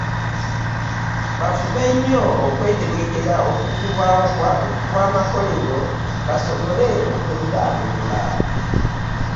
Bafube nnyo okwetegekera okuggulwawo kw'amakolero basobole okweddaabulula.